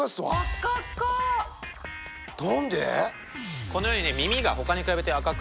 何で！？